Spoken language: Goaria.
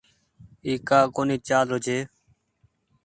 اي ڪآ ڪونيٚ چآلرو ڇي۔